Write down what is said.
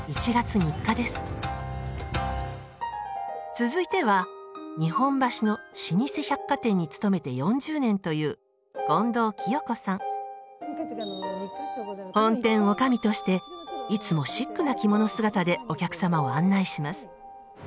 続いては日本橋の老舗百貨店に勤めて４０年という本店女将としていつもシックな着物姿でお客様を案内します。